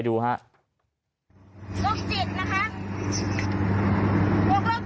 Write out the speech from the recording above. เจ๊เจ๊จ่อนไง